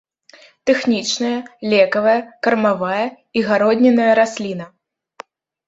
Тэхнічная, лекавая, кармавая і гароднінная расліна.